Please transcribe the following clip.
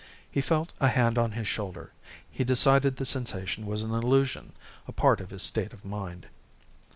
He felt a hand on his shoulder. He decided the sensation was an illusion a part of his state of mind.